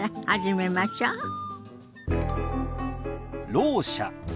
「ろう者」。